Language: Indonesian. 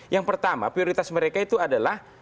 yang pertama prioritas mereka itu adalah